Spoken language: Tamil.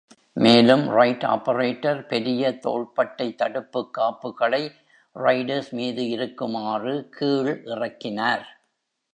மேலும், ரைட் ஆபரேட்டர் பெரிய தோள்பட்டை தடுப்புக்காப்புகளை ரைடர்ஸ் மீது இருக்குமாறு கீழ் இறக்கினார்.